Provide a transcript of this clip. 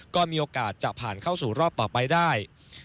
ก็มีโอกาสจะผ่านเข้าสู่รอบต่อไปได้